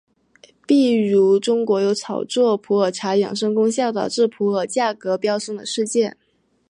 譬如中国有炒作普洱茶养生功效导致普洱价格飙升的事件。